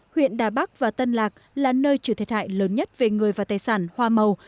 huyện đà bắc và tân lạc là nơi chịu thiệt hại lớn nhất về người và tài sản hoa màu